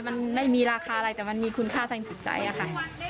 มันไม่มีราคาอะไรแต่มันมีคุณค่าทางจิตใจอะค่ะ